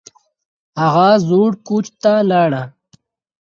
هغه زوړ کوچ ته لاړه